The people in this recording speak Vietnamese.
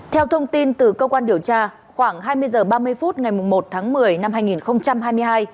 theo thông tin từ cơ quan điều tra khoảng hai mươi h ba mươi phút ngày một tháng một mươi năm hai nghìn hai mươi hai